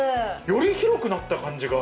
より広くなった感じが。